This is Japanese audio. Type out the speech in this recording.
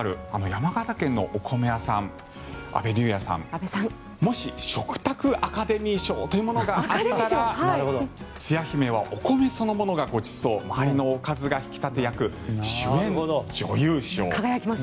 山形県のお米屋さん阿部龍也さんもし、食卓アカデミー賞というものがあったらつや姫はお米そのものがごちそう周りのおかずが引き立て役主演女優賞。